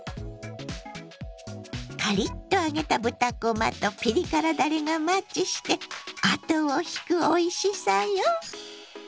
カリッと揚げた豚こまとピリ辛だれがマッチして後を引くおいしさよ。